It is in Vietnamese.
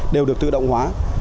đều được tự động hóa